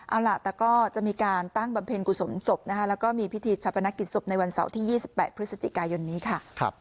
เอาล่ะแต่ก็จะมีการตั้งบำเพ็ญกุศลศพนะคะแล้วก็มีพิธีชาปนกิจศพในวันเสาร์ที่๒๘พฤศจิกายนนี้ค่ะ